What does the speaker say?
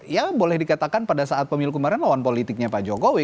ya boleh dikatakan pada saat pemilu kemarin lawan politiknya pak jokowi